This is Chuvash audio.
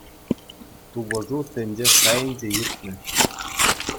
Тупӑшу тӗнче шайӗнче иртнӗ.